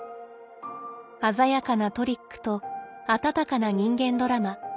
鮮やかなトリックと温かな人間ドラマ。